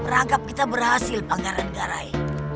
rangkap kita berhasil panggaran garai